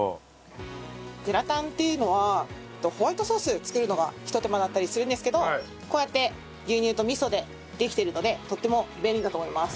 グラタンっていうのはホワイトソース作るのがひと手間だったりするんですけどこうやって牛乳と味噌でできてるのでとっても便利だと思います。